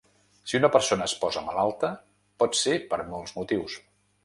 Si una persona es posa malalta pot ser per molts motius.